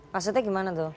maksudnya gimana tuh